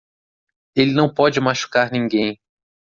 Ele não pode machucar ninguém.